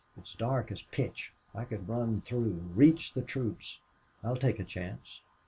It's dark as pitch. I could run through reach the troops. I'll take a chance."